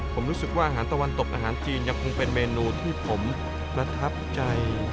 ผมรู้สึกว่าอาหารตะวันตกอาหารจีนยังคงเป็นเมนูที่ผมประทับใจ